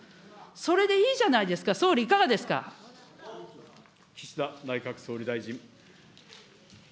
それでいいじゃないですか、総理、岸田内閣総理大臣。